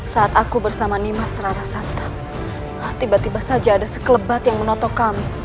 saat aku bersama nimas rara santa tiba tiba saja ada sekelebat yang menoto kami